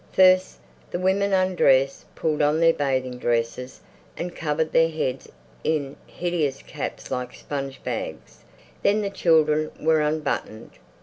First the women undressed, pulled on their bathing dresses and covered their heads in hideous caps like sponge bags; then the children were unbuttoned.